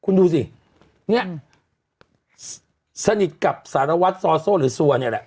งี้สนิทกับสารวัฒน์สร้อโซ่หรือสวร่อเนี่ยแหละ